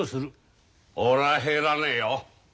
俺は入らねえよ。